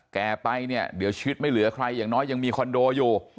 แก่ไปเนี่ยเดี๋ยวชีวิตไม่เหลือใครอย่างน้อยยังมีคอนโดอยู่